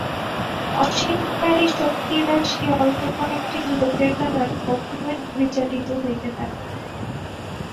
অসীমপ্রায় শক্তিরাশি অল্প কয়েকটি লোকের দ্বারা কখনই পরিচালিত হইতে পারে না।